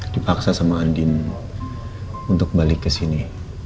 dipaksa sama andin untuk balik ke sini